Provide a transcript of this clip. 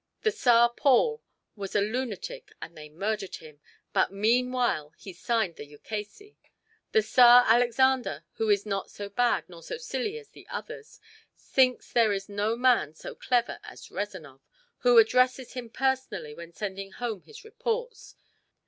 The Tsar Paul was a lunatic and they murdered him, but meanwhile he signed the ukase. The Tsar Alexander, who is not so bad nor so silly as the others, thinks there is no man so clever as Rezanov, who addresses him personally when sending home his reports.